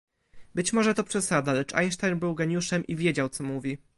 Być może to przesada, lecz Einstein był geniuszem i wiedział co mówi